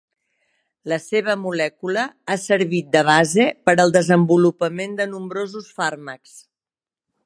La seva molècula ha servit de base per al desenvolupament de nombrosos fàrmacs.